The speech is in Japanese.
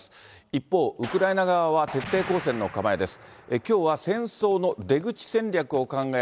一方、ウクライナ側は徹底抗戦の構えです。